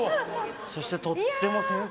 そしてとっても繊細。